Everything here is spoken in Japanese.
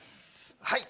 はい。